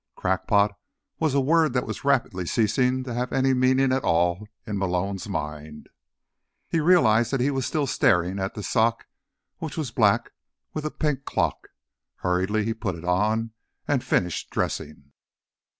"Crackpot" was a word that was rapidly ceasing to have any meaning at all in Malone's mind. He realized that he was still staring at the sock, which was black with a pink clock. Hurriedly, he put it on, and finished dressing.